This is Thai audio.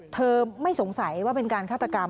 เธอไม่สงสัยว่าเป็นการฆาตกรรม